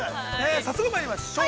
早速、まいりましょう。